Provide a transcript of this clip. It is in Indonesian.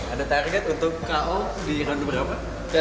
ada target untuk ko di ronde berapa